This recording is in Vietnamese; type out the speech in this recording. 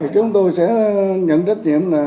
chúng tôi sẽ nhận trách nhiệm